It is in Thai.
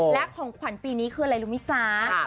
แล้วของขวัญปีนี้คืออะไรรู้มีจ๋าใช่